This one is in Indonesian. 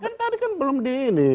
kan tadi kan belum di ini